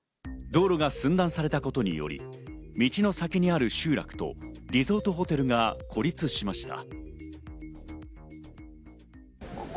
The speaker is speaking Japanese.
道路が寸断されたことにより、道の先にある集落とリゾートホテルが孤立しました。